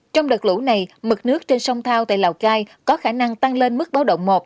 trong đợt lũ này mực nước trên sông thao tại lào cai có khả năng tăng lên mức báo động một